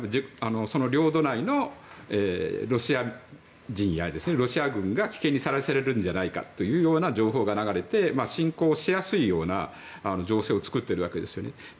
その領土内のロシア人やロシア軍が危険にさらされるんじゃないかという情報が流れて侵攻しやすいような情勢を作っているわけですよね。